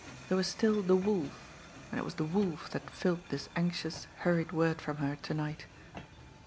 There was still the Wolf; and it was the Wolf that filled this anxious, hurried word from her to night.